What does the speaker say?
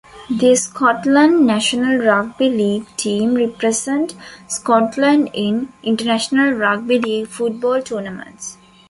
The Scotland national rugby league team represent Scotland in international rugby league football tournaments.